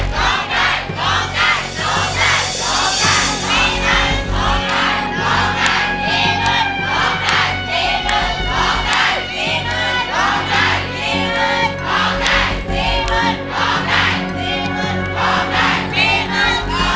คงได้๔๐๐๐๐บาท